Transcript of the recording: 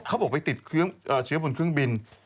เขาบอกไปติดเชื้อบนเครื่องบิน